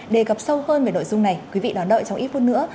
đề cập sâu hơn về nội dung này quý vị đón đợi trong ít phút nữa